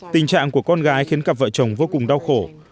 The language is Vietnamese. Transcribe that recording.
tình trạng của con gái khiến cặp vợ chồng vô cùng đau khổ